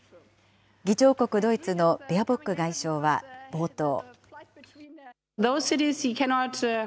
議長国、ドイツのベアボック外相は冒頭。